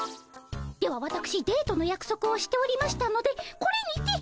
ではわたくしデートのやくそくをしておりましたのでこれにて。